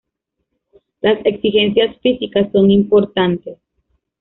Las exigencias físicas son importantes.